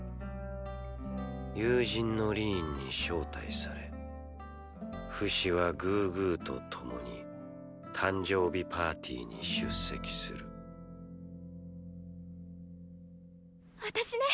友人のリーンに招待されフシはグーグーと共に誕生日パーティーに出席する私ね。